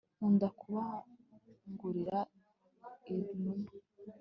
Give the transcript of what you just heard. nkunda kugaburira inuma